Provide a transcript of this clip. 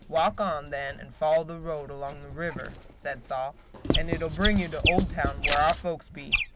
Walk on, then, and follow the road along the river," said Sol, "and it 'll bring you to Oldtown, where our folks be.